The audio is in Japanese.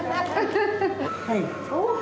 はい。